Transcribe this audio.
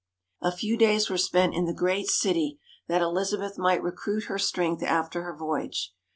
A few days were spent in the great city, that Elizabeth might recruit her strength after her voyage.